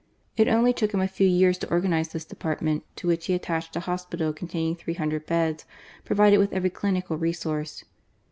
It only took him ' a few years to organize this department, to which he attached a faospital contaiiiiog Uicee .huodEed beds, provided with iirery cUnjcal resource.